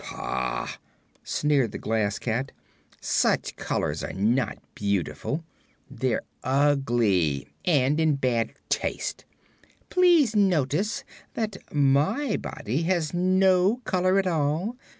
"Pah!" sneered the Glass Cat, "such colors are not beautiful; they're ugly, and in bad taste. Please notice that my body has no color at all.